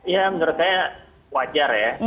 ya menurut saya wajar ya